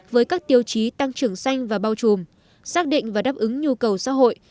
với các tiêu chí tăng trưởng xanh và bao trùm xác định và đáp ứng nhu cầu xã hội